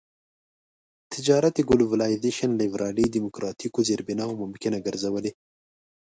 تجارت ګلوبلایزېشن لېبرالي ډيموکراټيکو زېربناوو ممکنه ګرځولي.